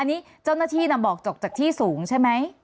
อันนี้เจ้าหน้าที่บอกจกจากที่สูงใช่ไหม